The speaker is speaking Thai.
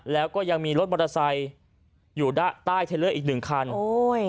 แล้วก็ยังมีรถมอเตอร์ไซค์อยู่ด้านใต้เทลเลอร์อีกหนึ่งคันโอ้ย